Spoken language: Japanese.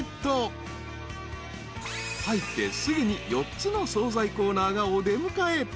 ［入ってすぐに４つの総菜コーナーがお出迎え］